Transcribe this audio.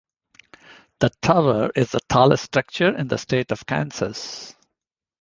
The tower is the tallest structure in the state of Kansas.